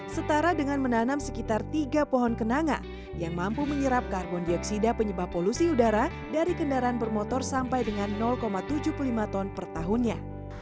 setara dengan menanam sekitar tiga pohon kenanga yang mampu menyerap karbon dioksida penyebab polusi udara dari kendaraan bermotor sampai dengan tujuh puluh lima ton per tahunnya